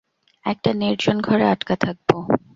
একটা নির্জন ঘরে আটকা থাকব।